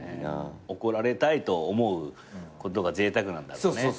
怒られたいと思うことがぜいたくなんだろうね。